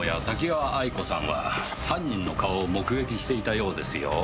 多岐川愛子さんは犯人の顔を目撃していたようですよ。